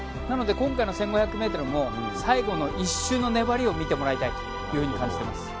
なので、今回の１５００ｍも最後の１周の粘りを見てもらいたいと感じています。